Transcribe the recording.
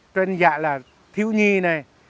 truyền dạy là thiếu nhi này